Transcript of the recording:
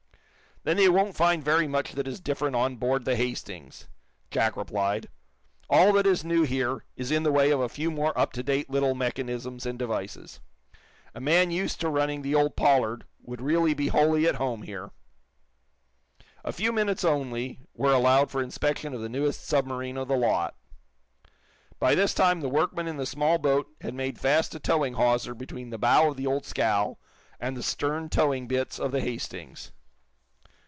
"Then they won't find very much that is different on board the 'Hastings,'" Jack replied. "All that is new here is in the way of a few more up to date little mechanisms and devices. A man used to running the old 'Pollard' would really be wholly at home here." A few minutes, only, were allowed for inspection of the newest submarine of the lot. By this time the workmen in the small boat had made fast a towing hawser between the bow of the old scow and the stern towing bitts of the "Hastings."